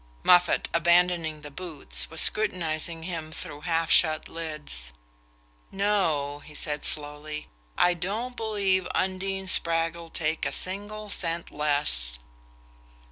Moffatt, abandoning the boots, was scrutinizing him through half shut lids. "No," he said slowly, "I don't believe Undine Spragg'll take a single cent less."